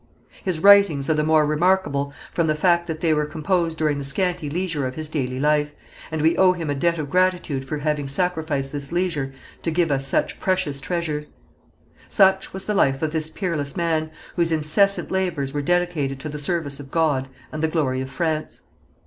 His writings are the more remarkable from the fact that they were composed during the scanty leisure of his daily life, and we owe him a debt of gratitude for having sacrificed this leisure to give us such precious treasures. Such was the life of this peerless man, whose incessant labours were dedicated to the service of God and the glory of France.